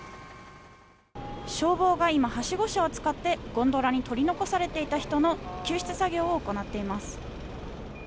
消防が今はしご車を使ってゴンドラに取り残されていた人の救出作業を行っています。